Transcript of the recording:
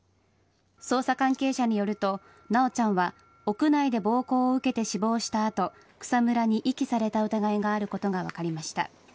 捜査関係者によると、修ちゃんは屋内で暴行を受けて死亡した後草むらに遺棄された疑いがあることが分かりました。